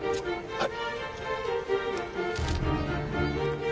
はい！